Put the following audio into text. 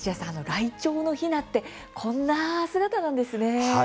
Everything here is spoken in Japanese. ライチョウのひなってこんな姿なんですね。